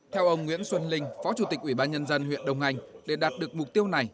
theo ông nguyễn xuân linh phó chủ tịch ủy ban nhân dân huyện đông anh để đạt được mục tiêu này